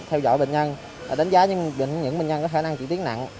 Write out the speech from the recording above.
theo dõi bệnh nhân đánh giá những bệnh nhân có khả năng trị tiến nặng